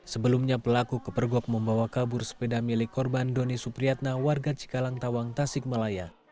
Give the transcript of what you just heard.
sebelumnya pelaku kepergok membawa kabur sepeda milik korban doni supriyatna warga cikalang tawang tasikmalaya